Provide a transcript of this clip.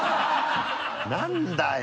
何だよ！